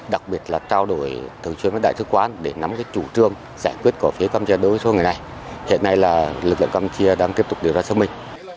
đặc biệt là trao đổi thường xuyên với đại thức quán để nắm chủ trương giải quyết của phía campuchia đối với số người này